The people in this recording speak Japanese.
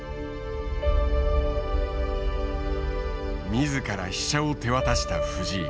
自ら飛車を手渡した藤井。